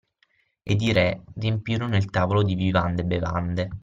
Ed i re riempirono il tavolo di vivande e bevande